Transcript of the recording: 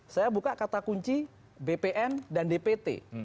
saya buka kata kunci bpn dan dpt